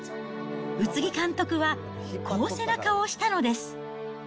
宇津木監督は、こう背中を押したのです。